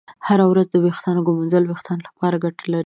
هره ورځ د ویښتانو ږمنځول د ویښتانو لپاره ګټه لري.